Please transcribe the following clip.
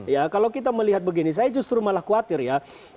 ya kalau kita melihat begini saya justru malah khawatir ya